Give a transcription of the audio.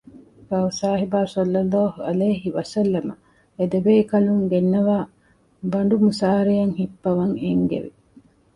ކައުސާހިބާ ޞައްލަﷲ ޢަލައިހި ވަސައްލަމަ އެދެބޭކަލުން ގެންނަވައި ބަނޑުމުސާރަޔަށް ހިއްޕަވަން އެންގެވި